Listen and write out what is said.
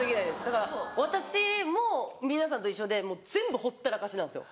だから私も皆さんと一緒で全部ほったらかしなんですよ。